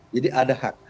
jadi ada hak